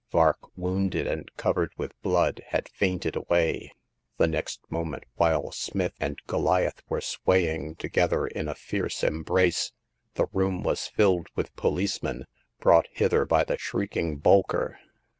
Vark, wounded and covered with blood, had fainted away. The next moment, while Smith and Goliath were swaying together in a fierce embrace, the room was filled with policemen, brought hither by the shrieking Bolker.